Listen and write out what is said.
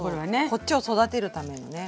こっちを育てるためのね。